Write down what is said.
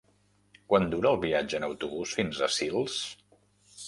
Quant dura el viatge en autobús fins a Sils?